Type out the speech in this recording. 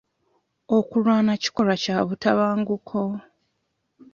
Okulwana kikolwa kya butabanguko.